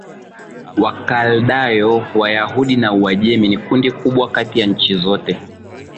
Wakaldayo Wayahudi wa Uajemi ni kundi kubwa kati ya nchi zote